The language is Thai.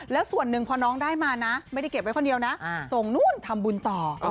แล้วส่วนหนึ่งพอน้องได้มานะไม่ได้เก็บไว้คนเดียวนะส่งนู่นทำบุญต่อ